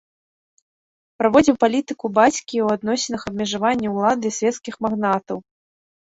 Праводзіў палітыку бацькі ў адносінах абмежавання ўлады свецкіх магнатаў.